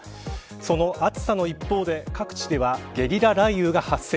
その暑さの一方で、各地ではゲリラ雷雨が発生。